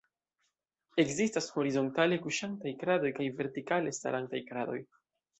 Ekzistas horizontale kuŝantaj kradoj kaj vertikale starantaj kradoj.